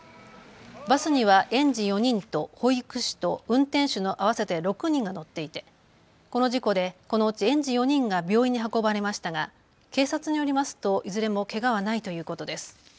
バスには園児４人と保育士と運転手の合わせて６人が乗っていて、この事故でこのうち園児４人が病院に運ばれましたが警察によりますといずれもけがはないということです。